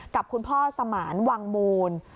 กับคุณพ่อสมานวังมูล